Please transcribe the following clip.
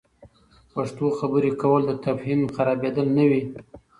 پښتو خبرې کول، د تفهم خرابیدل نه وي.